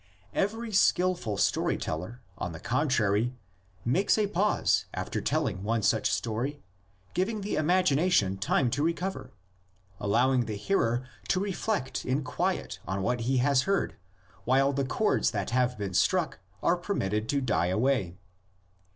Every skilful story teller, on the contrary, makes a pause after telling one such story, giving the imagination time to recover, allowing the hearer to reflect in quiet on what he has heard while the chords that have been struck are permitted to die away.